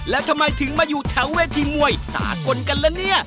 แล้วทำไมถึงมาอยู่แถวเวทีมวยสากลกันละเนี่ย